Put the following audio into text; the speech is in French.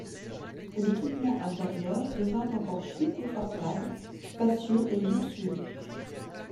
L'équipement intérieur devint encore plus confortable, spacieux et luxueux.